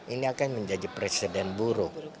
ini akan menjadi presiden buruk